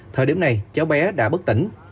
thời điểm này cháu bé đã bất tỉnh